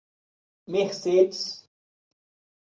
Mercedes